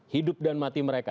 hidup dan mati mereka